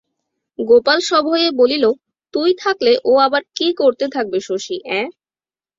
গোপাল সভয়ে বলিল, তুই থাকলে ও আবার কী করতে থাকবে শশী, অ্যাঁ?